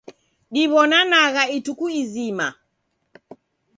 Diwonanagha ituku izima